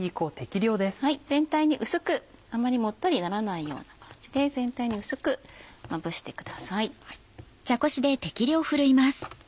全体に薄くあまりもったりならないような感じで全体に薄くまぶしてください。